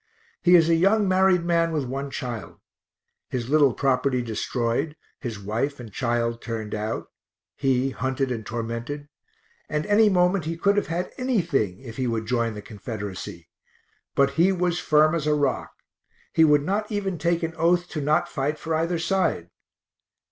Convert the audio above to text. He is a young married man with one child. His little property destroyed, his wife and child turned out he hunted and tormented and any moment he could have had anything if he would join the Confederacy but he was firm as a rock; he would not even take an oath to not fight for either side.